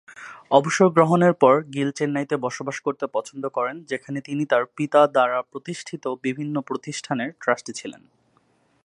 অবসর গ্রহণের পর, গিল চেন্নাইতে বসবাস করতে পছন্দ করেন, যেখানে তিনি তার পিতার দ্বারা প্রতিষ্ঠিত বিভিন্ন প্রতিষ্ঠানের ট্রাস্টি ছিলেন।